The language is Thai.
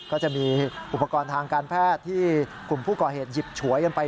ก็จะมีอุปกรณ์ทางการแพทย์ที่กลุ่มผู้ก่อเหตุหยิบฉวยกันไป